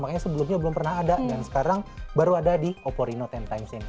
makanya sebelumnya belum pernah ada dan sekarang baru ada di oppo reno sepuluh